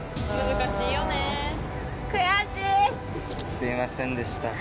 すいませんでした。